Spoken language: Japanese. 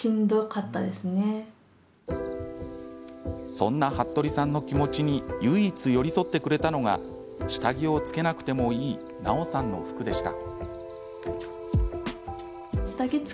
そんな服部さんの気持ちに唯一、寄り添ってくれたのが下着を着けなくてもいいナオさんの服でした。